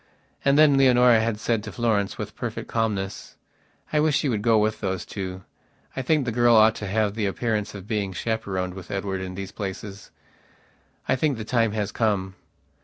And then Leonora had said to Florence with perfect calmness: "I wish you would go with those two. I think the girl ought to have the appearance of being chaperoned with Edward in these places. I think the time has come."